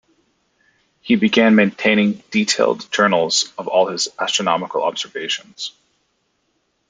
He began maintaining detailed journals of all his astronomical observations.